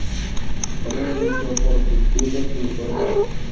প্রথমে দুষ্ট পুরুতগুলোকে দূর করে দাও।